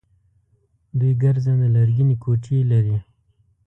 دوی ګرځنده لرګینې کوټې لري.